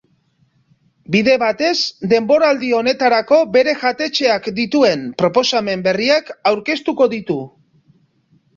Bide batez, denboraldi honetarako bere jatetxeak dituen proposamen berriak aurkeztuko ditu.